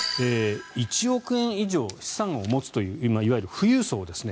１億円以上資産を持つといういわゆる富裕層ですね